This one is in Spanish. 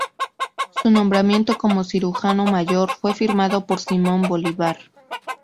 Su nombramiento como cirujano mayor fue firmado por Simón Bolívar.